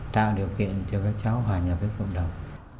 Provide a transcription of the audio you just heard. tạo điều kiện cho các cháu hòa nhập với cộng đồng